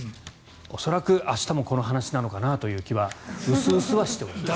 恐らく明日もこの話なのかなという気はうすうすはしています。